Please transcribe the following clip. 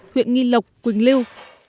huyện nghi lộc quỳnh liêu